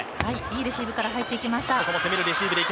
いいレシーブから入っていきました。